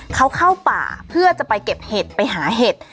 เขาเข้าป่าเพื่อจะไปเก็บเห็ดไปหาเห็ด